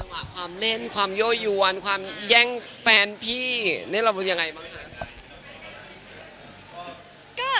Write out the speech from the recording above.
ในการเล่นความโยยวนความแย่งแฟนพี่เราก็บอกว่าอย่างไรบ้างคะ